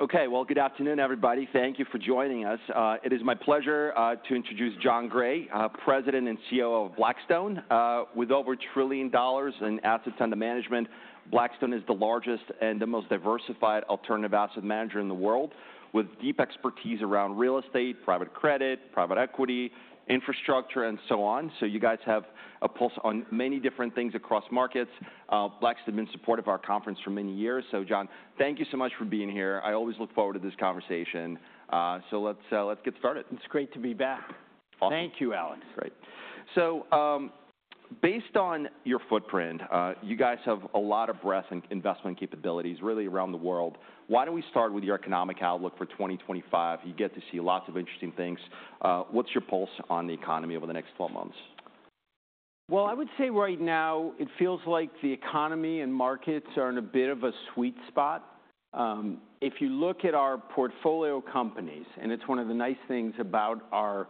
Okay, well, good afternoon, everybody. Thank you for joining us. It is my pleasure to introduce Jon Gray, President and COO of Blackstone. With over $1 trillion in assets under management, Blackstone is the largest and the most diversified alternative asset manager in the world, with deep expertise around real estate, private credit, private equity, infrastructure, and so on. So you guys have a pulse on many different things across markets. Blackstone has been supportive of our conference for many years. So, Jon, thank you so much for being here. I always look forward to this conversation. So let's get started. It's great to be back. Awesome. Thank you, Alex. Great. So based on your footprint, you guys have a lot of breadth in investment capabilities, really, around the world. Why don't we start with your economic outlook for 2025? You get to see lots of interesting things. What's your pulse on the economy over the next 12 months? I would say right now it feels like the economy and markets are in a bit of a sweet spot. If you look at our portfolio companies, and it's one of the nice things about our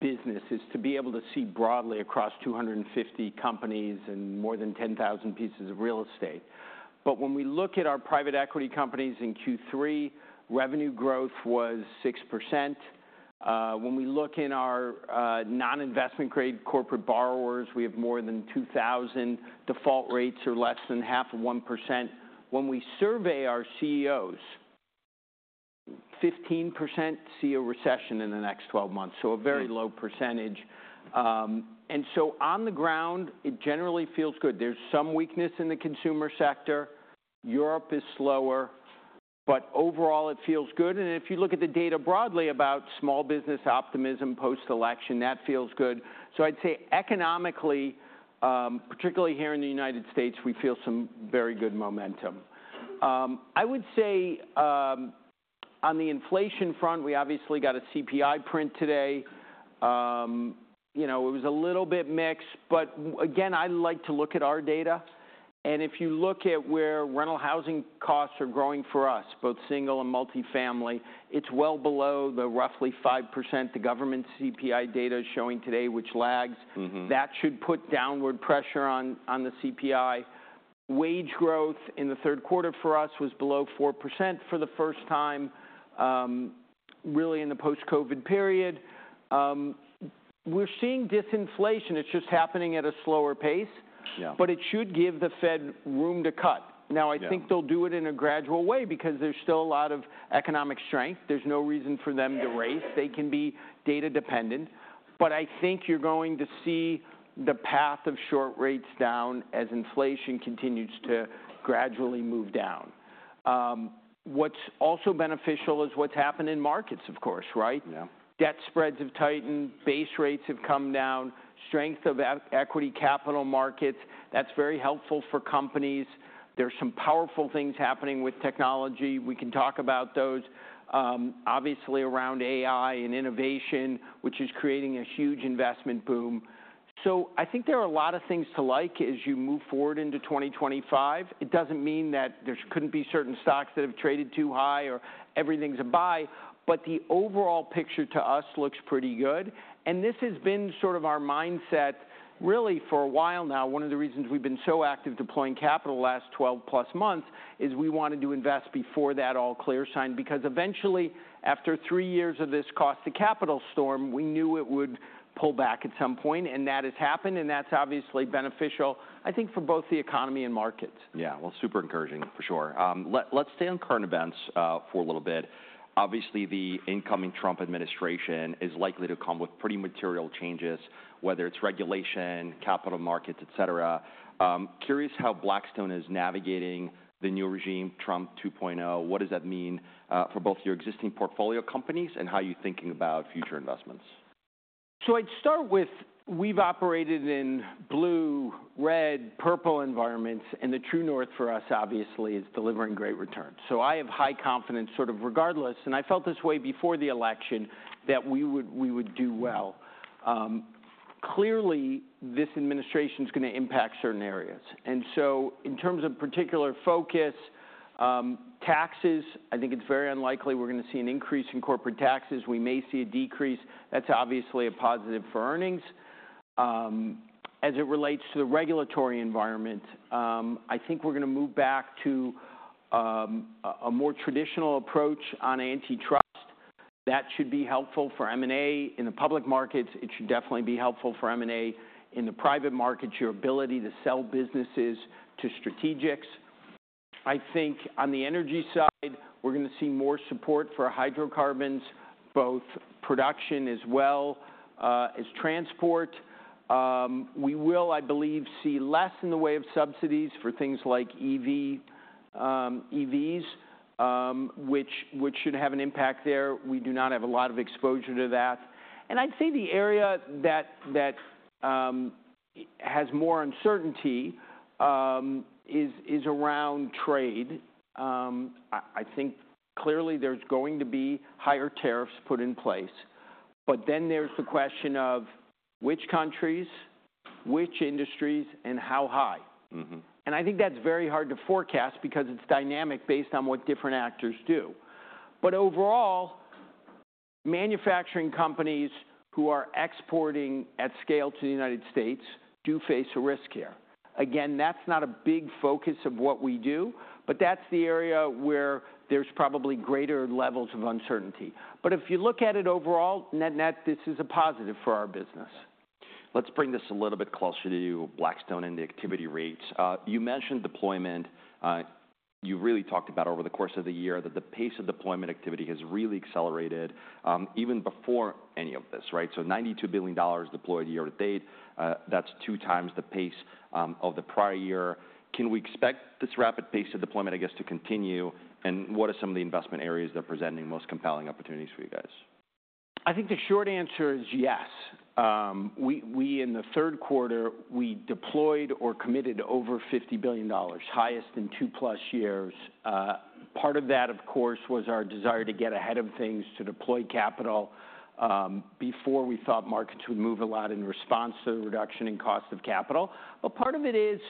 business is to be able to see broadly across 250 companies and more than 10,000 pieces of real estate. But when we look at our private equity companies in Q3, revenue growth was 6%. When we look in our non-investment grade corporate borrowers, we have more than 2,000. Default rates are less than 0.5%. When we survey our CEOs, 15% see a recession in the next 12 months, so a very low percentage. So on the ground, it feels good. There's some weakness in the consumer sector. Europe is slower, but overall it feels good. If you look at the data broadly about small business optimism post-election, that feels good, so I'd say economically, particularly here in the United States, we feel some very good momentum. I would say on the inflation front, we obviously got a CPI print today. It was a little bit mixed, but again, I like to look at our data, and if you look at where rental housing costs are growing for us, both single and multifamily, it's well below the roughly 5% the government CPI data is showing today, which lags. That should put downward pressure on the CPI. Wage growth in the third quarter for us was below 4% for the first time, really, in the post-COVID period. We're seeing disinflation. It's just happening at a slower pace, but it should give the Fed room to cut. Now, I think they'll do it in a gradual way because there's still a lot of economic strength. There's no reason for them to raise. They can be data dependent. But I think you're going to see the path of short rates down as inflation continues to gradually move down. What's also beneficial is what's happened in markets, of course, right? Yeah. Debt spreads have tightened. Base rates have come down. Strength of equity capital markets, that's very helpful for companies. There's some powerful things happening with technology. We can talk about those. Obviously, around AI and innovation, which is creating a huge investment boom. So I think there are a lot of things to like as you move forward into 2025. It doesn't mean that there couldn't be certain stocks that have traded too high or everything's a buy, but the overall picture to us looks pretty good, and this has been sort of our mindset, really, for a while now. One of the reasons we've been so active deploying capital the last 12-plus months is we wanted to invest before that all clear sign, because eventually, after three years of this cost of capital storm, we knew it would pull back at some point. That has happened, and that's obviously beneficial, I think, for both the economy and markets. Yeah, well, super encouraging, for sure. Let's stay on current events for a little bit. Obviously, the incoming Trump administration is likely to come with pretty material changes, whether it's regulation, capital markets, etc. Curious how Blackstone is navigating the new regime, Trump 2.0? What does that mean for both your existing portfolio companies and how you're thinking about future investments? So I'd start with, we've operated in blue, red, purple environments, and the true north for us, obviously, is delivering great returns. So I have high confidence, sort of regardless, and I felt this way before the election, that we would do well. Clearly, this administration is going to impact certain areas. And so in terms of particular focus, taxes, I think it's very unlikely we're going to see an increase in corporate taxes. We may see a decrease. That's obviously a positive for earnings. As it relates to the regulatory environment, I think we're going to move back to a more traditional approach on antitrust. That should be helpful for M&A in the public markets. It should definitely be helpful for M&A in the private markets, your ability to sell businesses to strategics. I think on the energy side, we're going to see more support for hydrocarbons, both production as well as transport. We will, I believe, see less in the way of subsidies for things like EVs, which should have an impact there. We do not have a lot of exposure to that. And I'd say the area that has more uncertainty is around trade. I think clearly there's going to be higher tariffs put in place. But then there's the question of which countries, which industries, and how high. And I think that's very hard to forecast because it's dynamic based on what different actors do. But overall, manufacturing companies who are exporting at scale to the United States do face a risk here. Again, that's not a big focus of what we do, but that's the area where there's probably greater levels of uncertainty. But if you look at it overall, net, net, this is a positive for our business. Let's bring this a little bit closer to you, Blackstone and the activity rates. You mentioned deployment. You really talked about over the course of the year that the pace of deployment activity has really accelerated even before any of this, right? So $92 billion deployed year to date. That's two times the pace of the prior year. Can we expect this rapid pace of deployment, I guess, to continue? And what are some of the investment areas that are presenting most compelling opportunities for you guys? I think the short answer is yes. In the third quarter, we deployed or committed over $50 billion, highest in two-plus years. Part of that, of course, was our desire to get ahead of things, to deploy capital before we thought markets would move a lot in response to the reduction in cost of capital. But part of it is,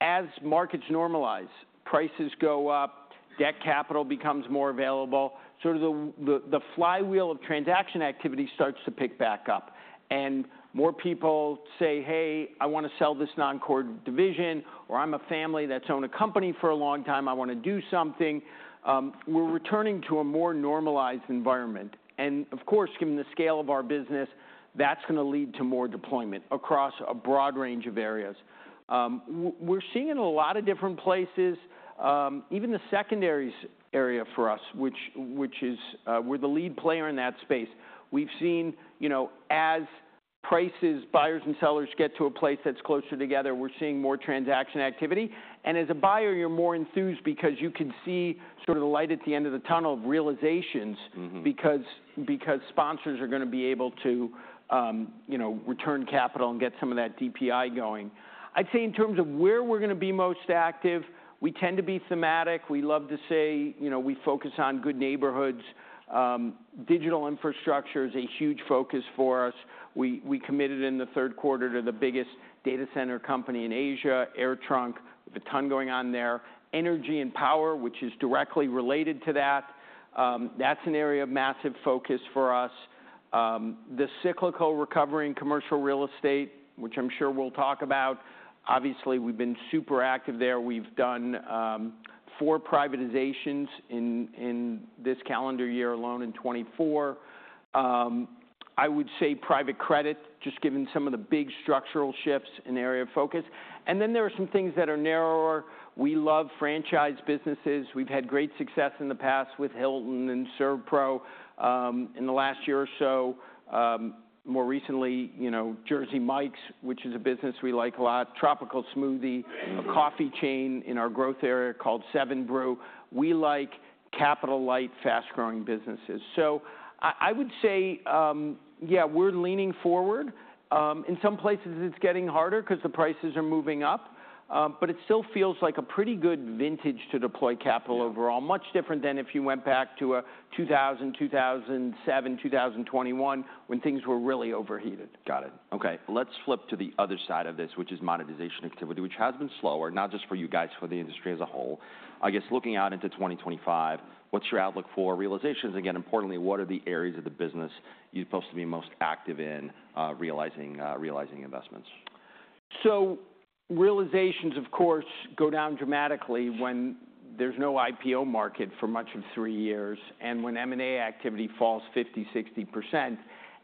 as markets normalize, prices go up, debt capital becomes more available. Sort of the flywheel of transaction activity starts to pick back up. And more people say, "Hey, I want to sell this non-core division," or, "I'm a family that's owned a company for a long time. I want to do something." We're returning to a more normalized environment. And of course, given the scale of our business, that's going to lead to more deployment across a broad range of areas. We're seeing it in a lot of different places, even the secondary area for us, which is where the lead player in that space. We've seen, as prices, buyers and sellers get to a place that's closer together, we're seeing more transaction activity. And as a buyer, you're more enthused because you can see sort of the light at the end of the tunnel of realizations because sponsors are going to be able to return capital and get some of that DPI going. I'd say in terms of where we're going to be most active, we tend to be thematic. We love to say we focus on good neighborhoods. Digital infrastructure is a huge focus for us. We committed in the third quarter to the biggest data center company in Asia, AirTrunk. We have a ton going on there. Energy and power, which is directly related to that, that's an area of massive focus for us. The cyclical recovery in commercial real estate, which I'm sure we'll talk about. Obviously, we've been super active there. We've done four privatizations in this calendar year alone in 2024. I would say private credit, just given some of the big structural shifts in area of focus. And then there are some things that are narrower. We love franchise businesses. We've had great success in the past with Hilton and SERVPRO in the last year or so. More recently, Jersey Mike's, which is a business we like a lot, Tropical Smoothie, a coffee chain in our growth area called 7 Brew. We like capital-light, fast-growing businesses. So I would say, yeah, we're leaning forward. In some places, it's getting harder because the prices are moving up, but it still feels like a pretty good vintage to deploy capital overall, much different than if you went back to 2000, 2007, 2021, when things were really overheated. Got it. Okay, let's flip to the other side of this, which is monetization activity, which has been slower, not just for you guys, for the industry as a whole. I guess looking out into 2025, what's your outlook for realizations? Again, importantly, what are the areas of the business you're supposed to be most active in realizing investments? So realizations, of course, go down dramatically when there's no IPO market for much of three years and when M&A activity falls 50%-60%.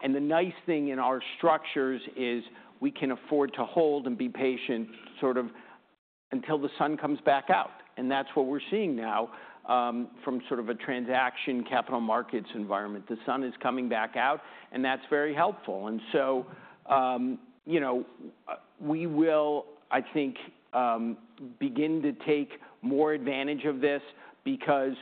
And the nice thing in our structures is we can afford to hold and be patient sort of until the sun comes back out. And that's what we're seeing now from sort of a transaction capital markets environment. The sun is coming back out, and that's very helpful. And so we will, I think, begin to take more advantage of this because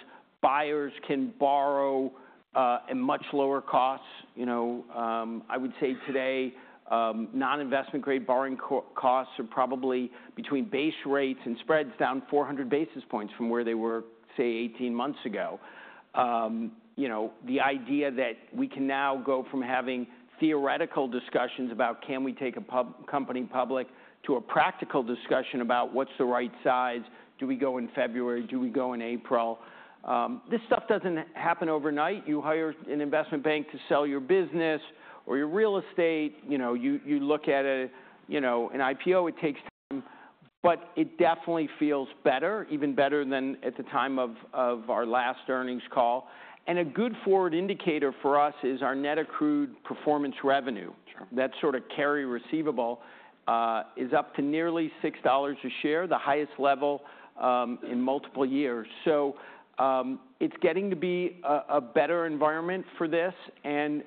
buyers can borrow at much lower costs. I would say today, non-investment grade borrowing costs are probably between base rates and spreads down 400 basis points from where they were, say, 18 months ago. The idea that we can now go from having theoretical discussions about can we take a company public to a practical discussion about what's the right size, do we go in February, do we go in April. This stuff doesn't happen overnight. You hire an investment bank to sell your business or your real estate. You look at an IPO, it takes time, but it definitely feels better, even better than at the time of our last earnings call, and a good forward indicator for us is our net accrued performance revenue. That sort of carry receivable is up to nearly $6 a share, the highest level in multiple years, so it's getting to be a better environment for this, and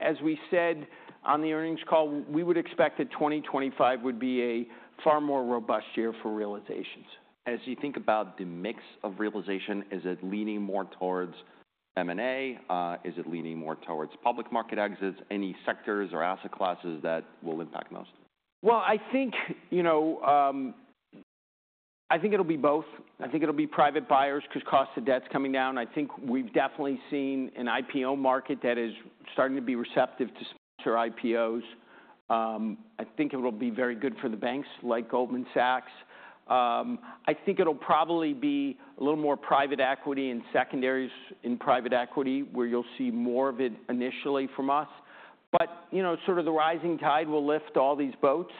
as we said on the earnings call, we would expect that 2025 would be a far more robust year for realizations. As you think about the mix of realization, is it leaning more towards M&A? Is it leaning more towards public market exits? Any sectors or asset classes that will impact most? I think it'll be both. I think it'll be private buyers because cost of debt's coming down. I think we've definitely seen an IPO market that is starting to be receptive to sponsor IPOs. I think it'll be very good for the banks like Goldman Sachs. I think it'll probably be a little more private equity and secondaries in private equity where you'll see more of it initially from us. Sort of the rising tide will lift all these boats.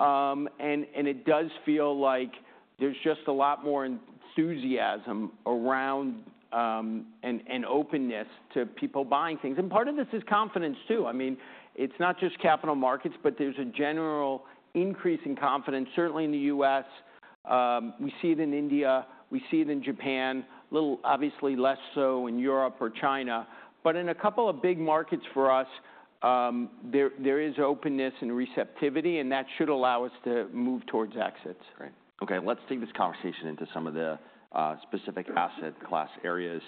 It does feel like there's just a lot more enthusiasm around and openness to people buying things. Part of this is confidence too. I mean, it's not just capital markets, but there's a general increase in confidence, certainly in the U.S. We see it in India. We see it in Japan, obviously less so in Europe or China. But in a couple of big markets for us, there is openness and receptivity, and that should allow us to move towards exits. Great. Okay, let's take this conversation into some of the specific asset class areas.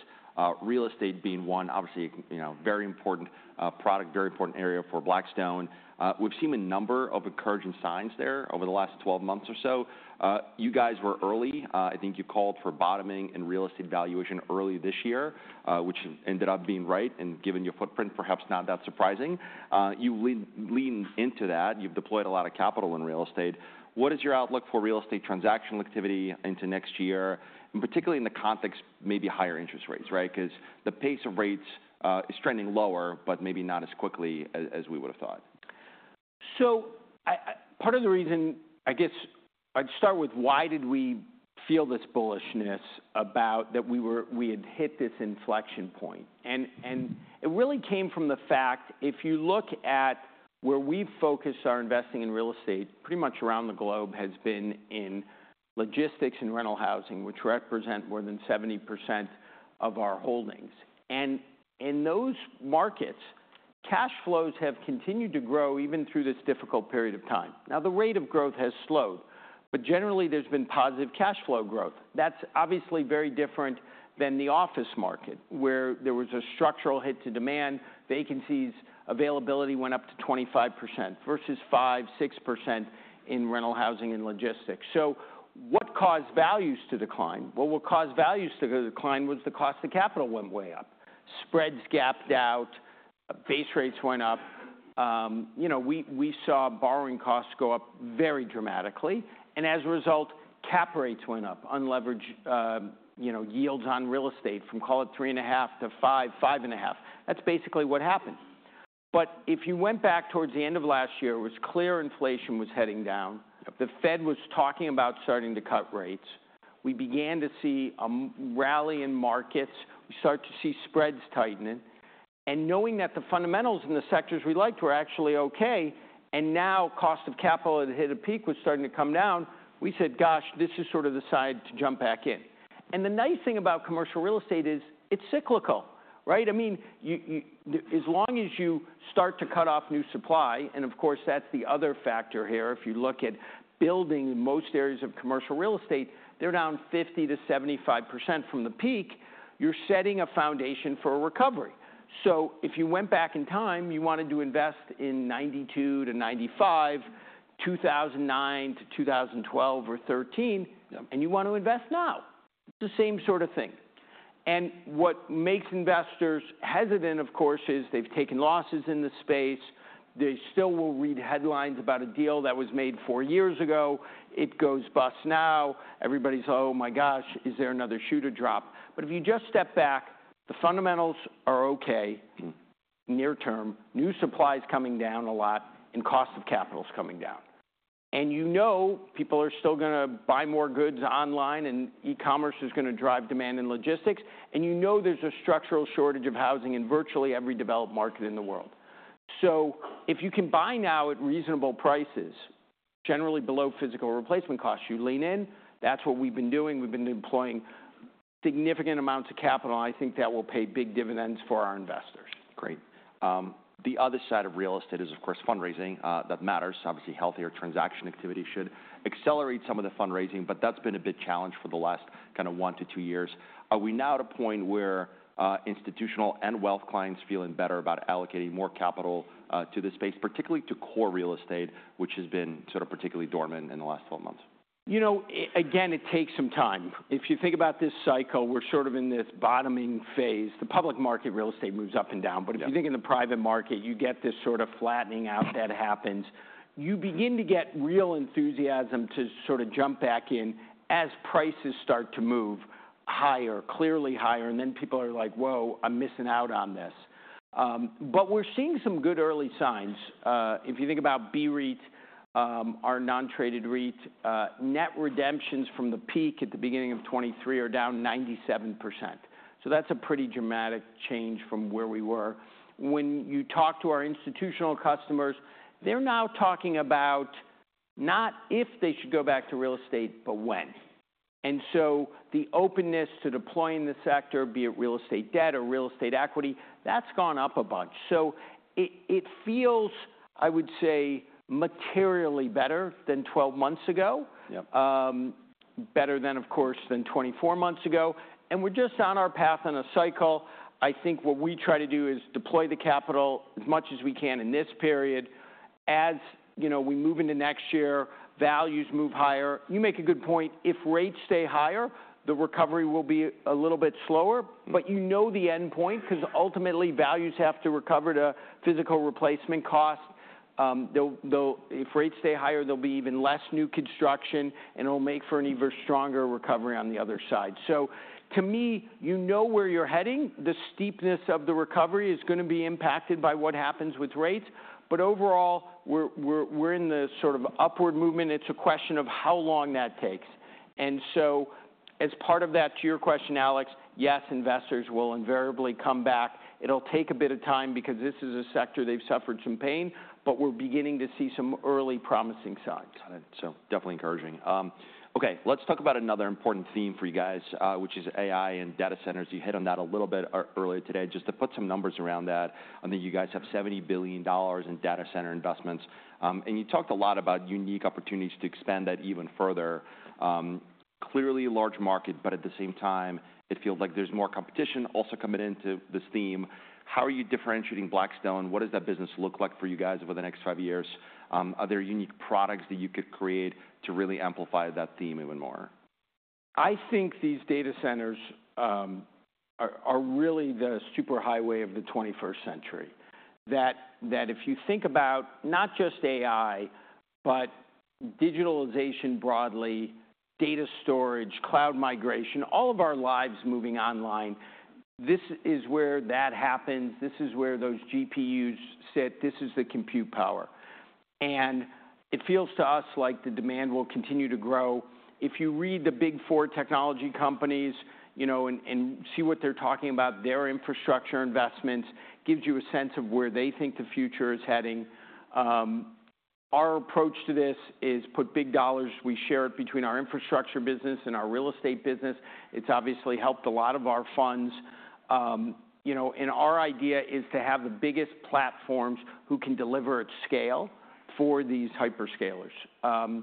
Real estate being one, obviously a very important product, very important area for Blackstone. We've seen a number of encouraging signs there over the last 12 months or so. You guys were early. I think you called for bottoming in real estate valuation early this year, which ended up being right and given your footprint, perhaps not that surprising. You lean into that. You've deployed a lot of capital in real estate. What is your outlook for real estate transactional activity into next year, and particularly in the context of maybe higher interest rates, right? Because the pace of rates is trending lower, but maybe not as quickly as we would have thought. So part of the reason, I guess I'd start with why did we feel this bullishness about that we had hit this inflection point? And it really came from the fact if you look at where we've focused our investing in real estate, pretty much around the globe has been in logistics and rental housing, which represent more than 70% of our holdings. And in those markets, cash flows have continued to grow even through this difficult period of time. Now, the rate of growth has slowed, but generally there's been positive cash flow growth. That's obviously very different than the office market, where there was a structural hit to demand. Vacancies availability went up to 25% versus 5%-6% in rental housing and logistics. So what caused values to decline? What caused values to decline was the cost of capital went way up. Spreads gapped out. Base rates went up. We saw borrowing costs go up very dramatically. And as a result, cap rates went up, unleveraged yields on real estate from, call it three and a half to five, five and a half. That's basically what happened. But if you went back towards the end of last year, it was clear inflation was heading down. The Fed was talking about starting to cut rates. We began to see a rally in markets. We started to see spreads tightening. And knowing that the fundamentals in the sectors we liked were actually okay, and now cost of capital had hit a peak, was starting to come down, we said, "Gosh, this is sort of the side to jump back in." And the nice thing about commercial real estate is it's cyclical, right? I mean, as long as you start to cut off new supply, and of course, that's the other factor here. If you look at building most areas of commercial real estate, they're down 50%-75% from the peak. You're setting a foundation for a recovery. So if you went back in time, you wanted to invest in 1992-1995, 2009-2012 or 2013, and you want to invest now. It's the same sort of thing. And what makes investors hesitant, of course, is they've taken losses in the space. They still will read headlines about a deal that was made four years ago. It goes bust now. Everybody's, "Oh my gosh, is there another shoe to drop?" But if you just step back, the fundamentals are okay near term. New supply is coming down a lot and cost of capital is coming down. And you know people are still going to buy more goods online and e-commerce is going to drive demand in logistics. And you know there's a structural shortage of housing in virtually every developed market in the world. So if you can buy now at reasonable prices, generally below physical replacement costs, you lean in. That's what we've been doing. We've been deploying significant amounts of capital. I think that will pay big dividends for our investors. Great. The other side of real estate is, of course, fundraising that matters. Obviously, healthier transaction activity should accelerate some of the fundraising, but that's been a big challenge for the last kind of one to two years. Are we now at a point where institutional and wealth clients are feeling better about allocating more capital to the space, particularly to core real estate, which has been sort of particularly dormant in the last 12 months? You know, again, it takes some time. If you think about this cycle, we're sort of in this bottoming phase. The public market real estate moves up and down, but if you think in the private market, you get this sort of flattening out that happens, you begin to get real enthusiasm to sort of jump back in as prices start to move higher, clearly higher, and then people are like, "Whoa, I'm missing out on this." But we're seeing some good early signs. If you think about BREIT, our non-traded REIT, net redemptions from the peak at the beginning of 2023 are down 97%. So that's a pretty dramatic change from where we were. When you talk to our institutional customers, they're now talking about not if they should go back to real estate, but when. And so the openness to deploying the sector, be it real estate debt or real estate equity, that's gone up a bunch. So it feels, I would say, materially better than 12 months ago, better than, of course, than 24 months ago. And we're just on our path in a cycle. I think what we try to do is deploy the capital as much as we can in this period. As we move into next year, values move higher. You make a good point. If rates stay higher, the recovery will be a little bit slower, but you know the end point because ultimately values have to recover to physical replacement cost. If rates stay higher, there'll be even less new construction, and it'll make for an even stronger recovery on the other side. So to me, you know where you're heading. The steepness of the recovery is going to be impacted by what happens with rates. But overall, we're in the sort of upward movement. It's a question of how long that takes. And so as part of that, to your question, Alex, yes, investors will invariably come back. It'll take a bit of time because this is a sector they've suffered some pain, but we're beginning to see some early promising signs. Got it. So definitely encouraging. Okay, let's talk about another important theme for you guys, which is AI and data centers. You hit on that a little bit earlier today. Just to put some numbers around that, I think you guys have $70 billion in data center investments. And you talked a lot about unique opportunities to expand that even further. Clearly a large market, but at the same time, it feels like there's more competition also coming into this theme. How are you differentiating Blackstone? What does that business look like for you guys over the next five years? Are there unique products that you could create to really amplify that theme even more? I think these data centers are really the super highway of the 21st century, that if you think about not just AI, but digitalization broadly, data storage, cloud migration, all of our lives moving online, this is where that happens. This is where those GPUs sit. This is the compute power, and it feels to us like the demand will continue to grow. If you read the big four technology companies and see what they're talking about, their infrastructure investments gives you a sense of where they think the future is heading. Our approach to this is put big dollars. We share it between our infrastructure business and our real estate business. It's obviously helped a lot of our funds, and our idea is to have the biggest platforms who can deliver at scale for these hyperscalers,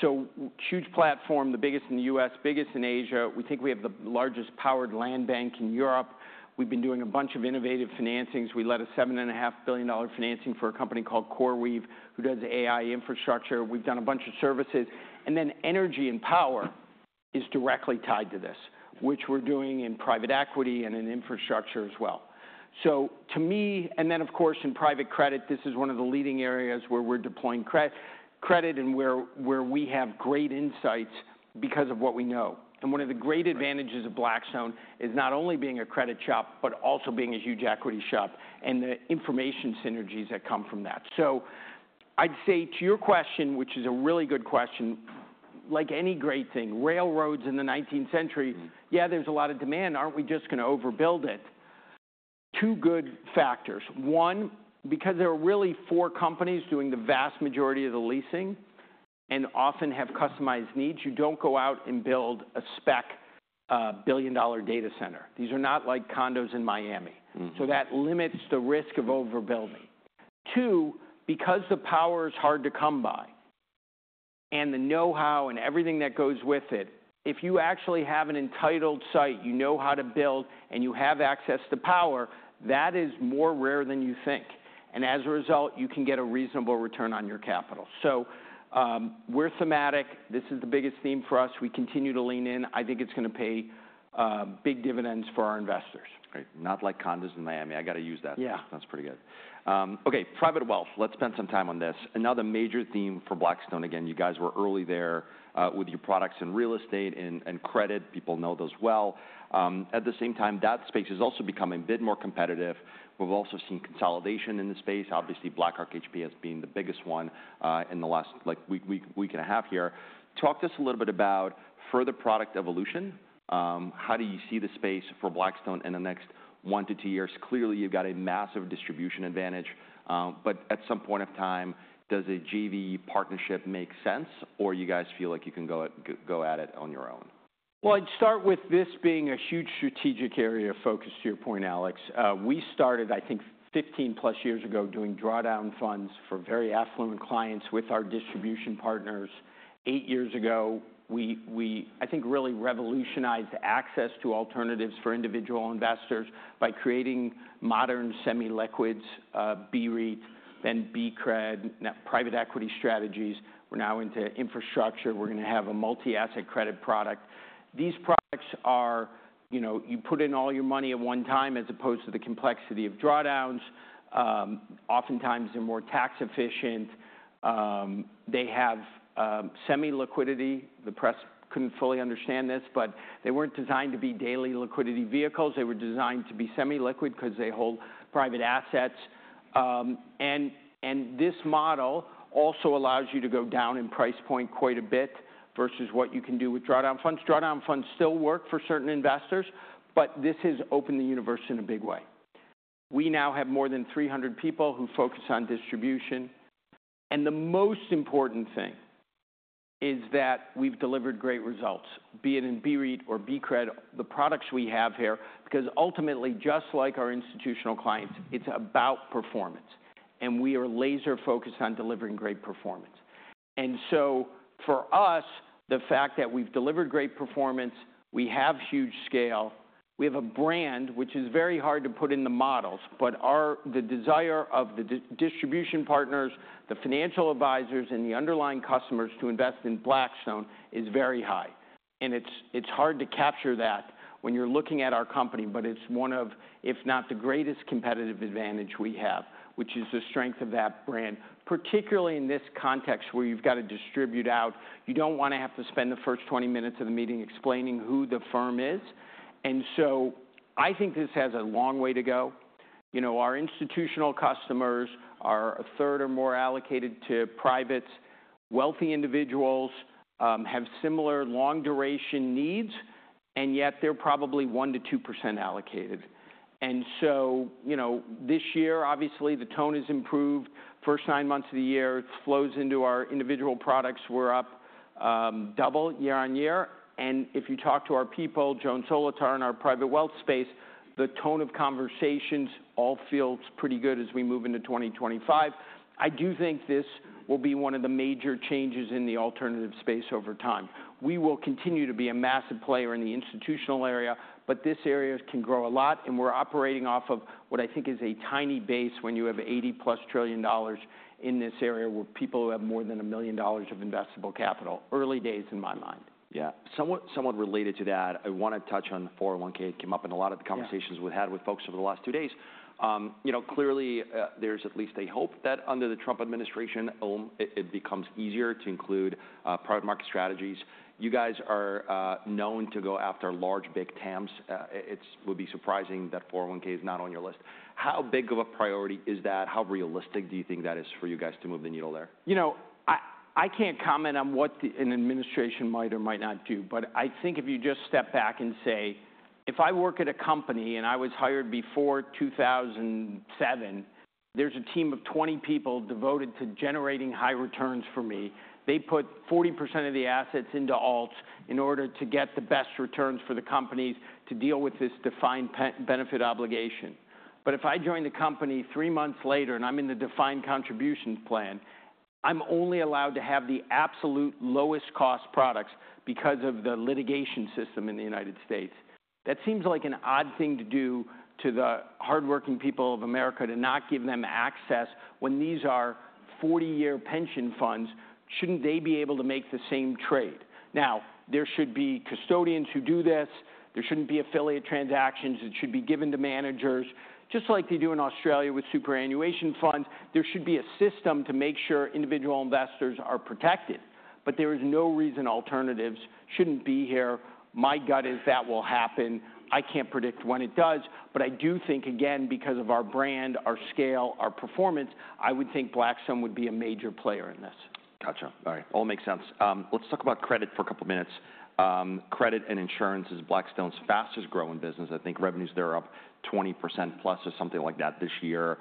so huge platform, the biggest in the U.S., biggest in Asia. We think we have the largest powered land bank in Europe. We've been doing a bunch of innovative financings. We led a $7.5 billion financing for a company called CoreWeave who does AI infrastructure. We've done a bunch of services. And then energy and power is directly tied to this, which we're doing in private equity and in infrastructure as well. So to me, and then of course in private credit, this is one of the leading areas where we're deploying credit and where we have great insights because of what we know. And one of the great advantages of Blackstone is not only being a credit shop, but also being a huge equity shop and the information synergies that come from that. So I'd say to your question, which is a really good question, like any great thing, railroads in the 19th century, yeah, there's a lot of demand. Aren't we just going to overbuild it? Two good factors. One, because there are really four companies doing the vast majority of the leasing and often have customized needs. You don't go out and build a spec billion-dollar data center. These are not like condos in Miami. So that limits the risk of overbuilding. Two, because the power is hard to come by and the know-how and everything that goes with it, if you actually have an entitled site, you know how to build and you have access to power, that is more rare than you think. And as a result, you can get a reasonable return on your capital. So we're thematic. This is the biggest theme for us. We continue to lean in. I think it's going to pay big dividends for our investors. Great. Not like condos in Miami. I got to use that. That's pretty good. Okay, private wealth. Let's spend some time on this. Another major theme for Blackstone. Again, you guys were early there with your products in real estate and credit. People know those well. At the same time, that space is also becoming a bit more competitive. We've also seen consolidation in the space. Obviously, BlackRock-HPS has been the biggest one in the last week and a half here. Talk to us a little bit about further product evolution. How do you see the space for Blackstone in the next one to two years? Clearly, you've got a massive distribution advantage, but at some point of time, does a JV partnership make sense or you guys feel like you can go at it on your own? I'd start with this being a huge strategic area of focus to your point, Alex. We started, I think, 15 plus years ago doing drawdown funds for very affluent clients with our distribution partners. Eight years ago, I think really revolutionized access to alternatives for individual investors by creating modern semi-liquids, BREITs, then BCRED, private equity strategies. We're now into infrastructure. We're going to have a multi-asset credit product. These products are you put in all your money at one time as opposed to the complexity of drawdowns. Oftentimes, they're more tax efficient. They have semi-liquidity. The press couldn't fully understand this, but they weren't designed to be daily liquidity vehicles. They were designed to be semi-liquid because they hold private assets. And this model also allows you to go down in price point quite a bit versus what you can do with drawdown funds. Drawdown funds still work for certain investors, but this has opened the universe in a big way. We now have more than 300 people who focus on distribution. And the most important thing is that we've delivered great results, be it in BREIT or BCRED, the products we have here, because ultimately, just like our institutional clients, it's about performance. And we are laser-focused on delivering great performance. And so for us, the fact that we've delivered great performance, we have huge scale, we have a brand, which is very hard to put in the models, but the desire of the distribution partners, the financial advisors, and the underlying customers to invest in Blackstone is very high. And it's hard to capture that when you're looking at our company, but it's one of, if not the greatest competitive advantage we have, which is the strength of that brand, particularly in this context where you've got to distribute out. You don't want to have to spend the first 20 minutes of the meeting explaining who the firm is. And so I think this has a long way to go. Our institutional customers are a third or more allocated to privates. Wealthy individuals have similar long-duration needs, and yet they're probably 1%-2% allocated. And so this year, obviously, the tone has improved. First nine months of the year, it flows into our individual products. We're up double year on year. And if you talk to our people, Joan Solotar in our private wealth space, the tone of conversations all feels pretty good as we move into 2025. I do think this will be one of the major changes in the alternative space over time. We will continue to be a massive player in the institutional area, but this area can grow a lot. And we're operating off of what I think is a tiny base when you have $80 plus trillion in this area where people have more than $1 million of investable capital. Early days in my mind. Yeah. Somewhat related to that, I want to touch on 401(k). It came up in a lot of the conversations we've had with folks over the last two days. Clearly, there's at least a hope that under the Trump administration, it becomes easier to include private market strategies. You guys are known to go after large big TAMs. It would be surprising that 401(k) is not on your list. How big of a priority is that? How realistic do you think that is for you guys to move the needle there? You know, I can't comment on what an administration might or might not do, but I think if you just step back and say, if I work at a company and I was hired before 2007, there's a team of 20 people devoted to generating high returns for me. They put 40% of the assets into alts in order to get the best returns for the companies to deal with this defined benefit obligation. But if I join the company three months later and I'm in the defined contribution plan, I'm only allowed to have the absolute lowest cost products because of the litigation system in the United States. That seems like an odd thing to do to the hardworking people of America to not give them access when these are 40-year pension funds. Shouldn't they be able to make the same trade? Now, there should be custodians who do this. There shouldn't be affiliate transactions. It should be given to managers. Just like they do in Australia with superannuation funds, there should be a system to make sure individual investors are protected. But there is no reason alternatives shouldn't be here. My gut is that will happen. I can't predict when it does, but I do think, again, because of our brand, our scale, our performance, I would think Blackstone would be a major player in this. Gotcha. All right. All makes sense. Let's talk about credit for a couple of minutes. Credit and insurance is Blackstone's fastest growing business. I think revenues there are up 20% plus or something like that this year.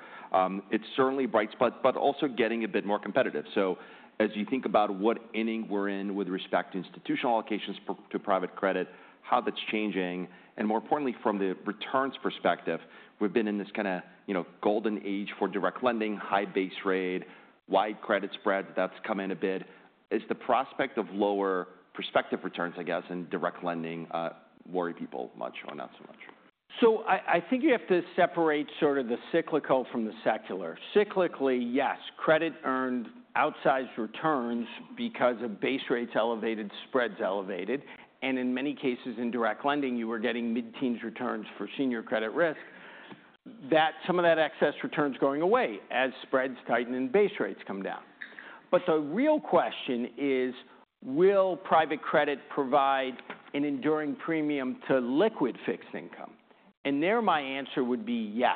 It's certainly bright, but also getting a bit more competitive. So as you think about what inning we're in with respect to institutional allocations to private credit, how that's changing, and more importantly, from the returns perspective, we've been in this kind of golden age for direct lending, high base rate, wide credit spreads that's come in a bit. Is the prospect of lower prospective returns, I guess, in direct lending worry people much or not so much? So I think you have to separate sort of the cyclical from the secular. Cyclically, yes, credit earned outsized returns because of base rates elevated, spreads elevated, and in many cases in direct lending, you were getting mid-teens returns for senior credit risk. Some of that excess returns going away as spreads tighten and base rates come down. But the real question is, will private credit provide an enduring premium to liquid fixed income? And there my answer would be yes.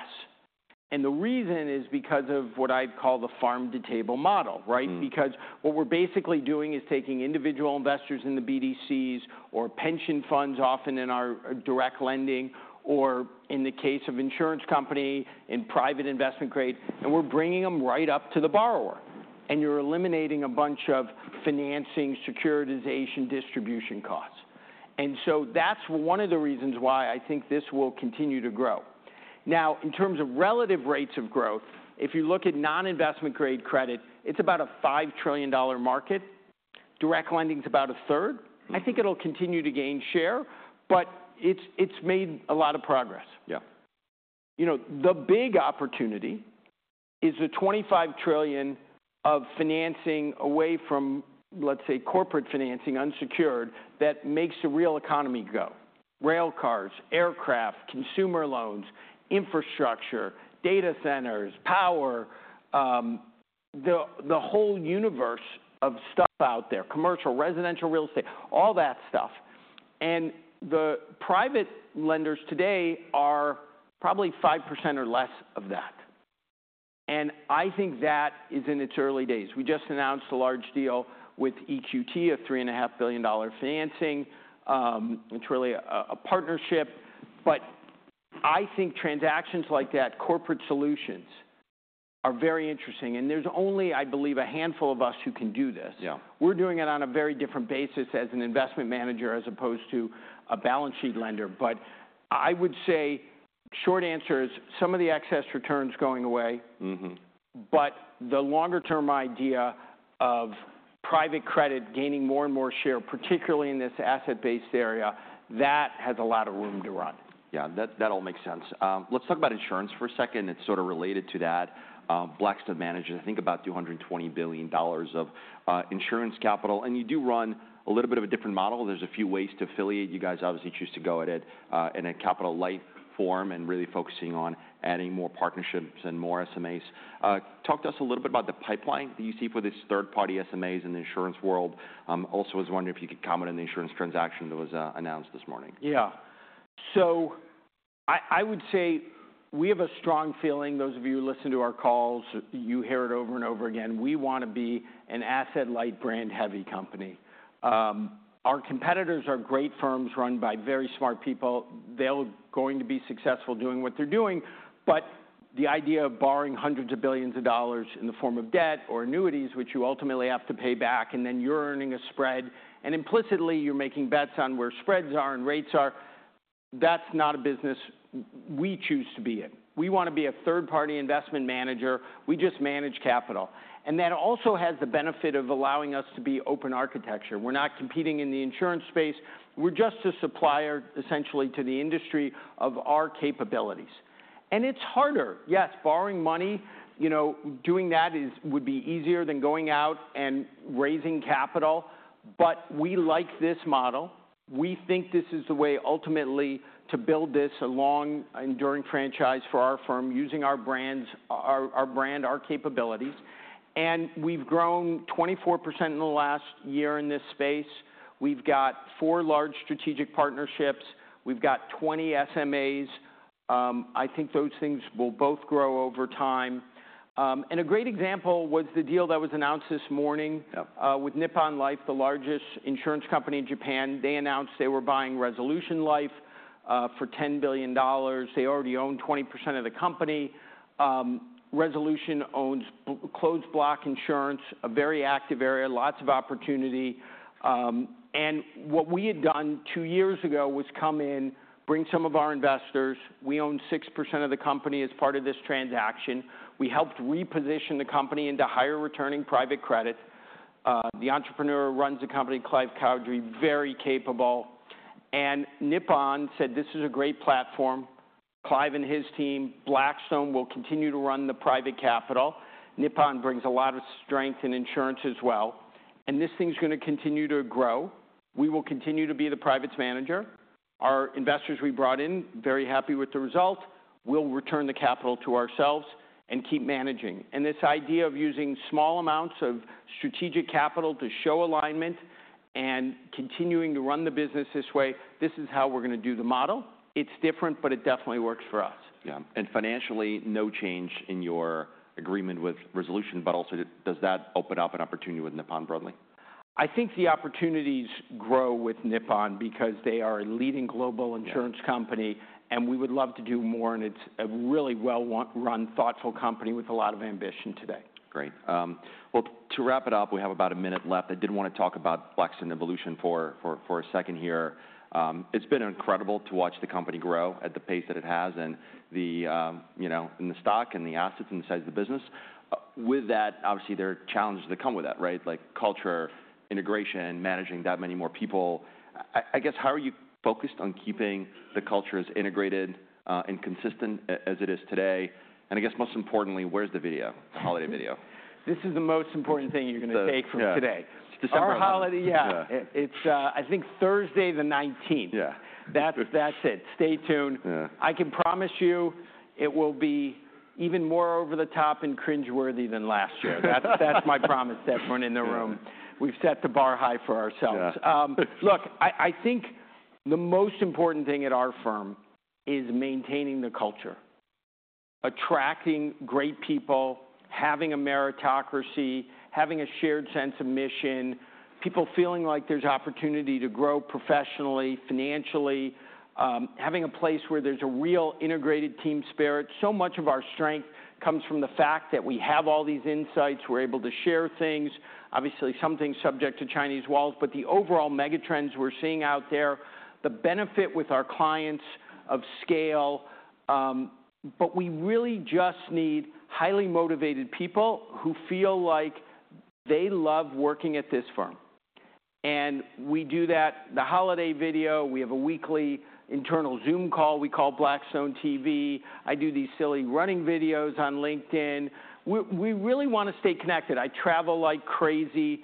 And the reason is because of what I call the farm-to-table model, right? Because what we're basically doing is taking individual investors in the BDCs or pension funds often in our direct lending or in the case of insurance company in private investment grade, and we're bringing them right up to the borrower. And you're eliminating a bunch of financing, securitization, distribution costs. That's one of the reasons why I think this will continue to grow. Now, in terms of relative rates of growth, if you look at non-investment grade credit, it's about a $5 trillion market. Direct lending is about a third. I think it'll continue to gain share, but it's made a lot of progress. Yeah. The big opportunity is the $25 trillion of financing away from, let's say, corporate financing unsecured that makes the real economy go: rail cars, aircraft, consumer loans, infrastructure, data centers, power, the whole universe of stuff out there: commercial, residential, real estate, all that stuff. And the private lenders today are probably 5% or less of that. And I think that is in its early days. We just announced a large deal with EQT of $3.5 billion financing. It's really a partnership, but I think transactions like that, corporate solutions are very interesting. And there's only, I believe, a handful of us who can do this. We're doing it on a very different basis as an investment manager as opposed to a balance sheet lender. But I would say short answer is some of the excess returns going away, but the longer-term idea of private credit gaining more and more share, particularly in this asset-based area, that has a lot of room to run. Yeah, that all makes sense. Let's talk about insurance for a second. It's sort of related to that. Blackstone manages, I think, about $220 billion of insurance capital. And you do run a little bit of a different model. There's a few ways to affiliate. You guys obviously choose to go at it in a capital light form and really focusing on adding more partnerships and more SMAs. Talk to us a little bit about the pipeline that you see for these third-party SMAs in the insurance world. Also, I was wondering if you could comment on the insurance transaction that was announced this morning. Yeah. So I would say we have a strong feeling. Those of you who listen to our calls, you hear it over and over again. We want to be an asset-light, brand-heavy company. Our competitors are great firms run by very smart people. They're going to be successful doing what they're doing. But the idea of borrowing hundreds of billions of dollars in the form of debt or annuities, which you ultimately have to pay back, and then you're earning a spread, and implicitly you're making bets on where spreads are and rates are, that's not a business we choose to be in. We want to be a third-party investment manager. We just manage capital, and that also has the benefit of allowing us to be open architecture. We're not competing in the insurance space. We're just a supplier, essentially, to the industry of our capabilities, and it's harder. Yes, borrowing money, doing that would be easier than going out and raising capital, but we like this model. We think this is the way ultimately to build this long, enduring franchise for our firm using our brand, our capabilities, and we've grown 24% in the last year in this space. We've got four large strategic partnerships. We've got 20 SMAs. I think those things will both grow over time, and a great example was the deal that was announced this morning with Nippon Life, the largest insurance company in Japan. They announced they were buying Resolution Life for $10 billion. They already own 20% of the company. Resolution owns closed block insurance, a very active area, lots of opportunity, and what we had done two years ago was come in, bring some of our investors. We own 6% of the company as part of this transaction. We helped reposition the company into higher returning private credit. The entrepreneur runs the company, Clive Cowdery, very capable, and Nippon said, "This is a great platform." Clive and his team, Blackstone will continue to run the private capital. Nippon brings a lot of strength in insurance as well, and this thing's going to continue to grow. We will continue to be the private manager. Our investors we brought in, very happy with the result, will return the capital to ourselves and keep managing, and this idea of using small amounts of strategic capital to show alignment and continuing to run the business this way, this is how we're going to do the model. It's different, but it definitely works for us. Yeah. And financially, no change in your agreement with Resolution, but also does that open up an opportunity with Nippon Life? I think the opportunities grow with Nippon because they are a leading global insurance company, and we would love to do more, and it's a really well-run, thoughtful company with a lot of ambition today. Great. Well, to wrap it up, we have about a minute left. I did want to talk about Blackstone evolution for a second here. It's been incredible to watch the company grow at the pace that it has in the stock and the assets and the size of the business. With that, obviously, there are challenges that come with that, right? Like culture, integration, managing that many more people. I guess, how are you focused on keeping the culture as integrated and consistent as it is today? And I guess most importantly, where's the video, the holiday video? This is the most important thing you're going to take from today. December holiday. Yeah. It's, I think, Thursday the 19th. Yeah. That's it. Stay tuned. I can promise you it will be even more over the top and cringe-worthy than last year. That's my promise to everyone in the room. We've set the bar high for ourselves. Look, I think the most important thing at our firm is maintaining the culture, attracting great people, having a meritocracy, having a shared sense of mission, people feeling like there's opportunity to grow professionally, financially, having a place where there's a real integrated team spirit. So much of our strength comes from the fact that we have all these insights. We're able to share things. Obviously, some things subject to Chinese walls, but the overall megatrends we're seeing out there, the benefit with our clients of scale. But we really just need highly motivated people who feel like they love working at this firm. And we do that. The holiday video. We have a weekly internal Zoom call we call Blackstone TV. I do these silly running videos on LinkedIn. We really want to stay connected. I travel like crazy.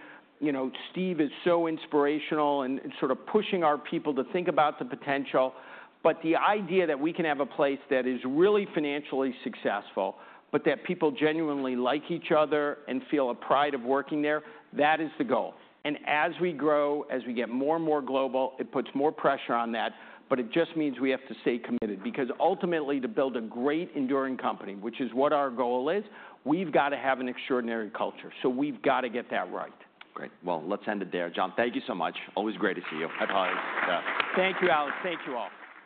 Steve is so inspirational and sort of pushing our people to think about the potential, but the idea that we can have a place that is really financially successful, but that people genuinely like each other and feel a pride of working there, that is the goal, and as we grow, as we get more and more global, it puts more pressure on that, but it just means we have to stay committed because ultimately, to build a great enduring company, which is what our goal is, we've got to have an extraordinary culture, so we've got to get that right. Great. Well, let's end it there. Jon, thank you so much. Always great to see you. Bye-bye. Thank you, Alex. Thank you all.